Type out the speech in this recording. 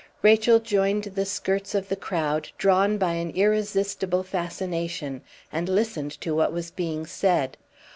Rachel joined the skirts of the crowd drawn by an irresistible fascination and listened to what was being said.